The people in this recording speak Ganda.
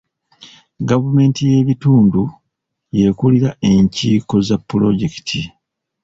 Gavumenti y'ebitundu y'ekulira enkiiko za pulojekiti.